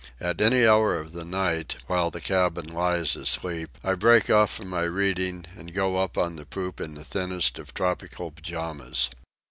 At any hour of the night, while the cabin lies asleep, I break off from my reading and go up on the poop in the thinnest of tropical pyjamas.